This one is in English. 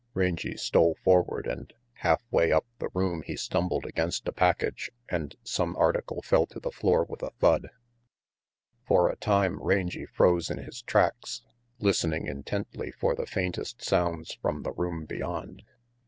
Rangy stole forward and half way up the room he stumbled against a package and some article fell to the floor with a thud. 164 RANGY PETE For a time Rangy froze in his tracks, listening intently for the faintest sounds from the room beyond.